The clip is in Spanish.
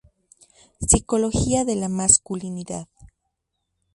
Psicología de la Masculinidad.